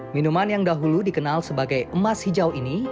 minuman yang dahulu dikenal sebagai emas hijau ini